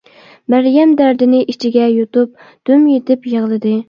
مەريەم دەردىنى ئىچىگە يۇتۇپ دۈم يېتىپ يىغلىدى.